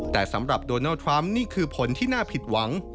แต่สำหรับโดนัลดทรัมป์นี่คือผลที่น่าผิดหวัง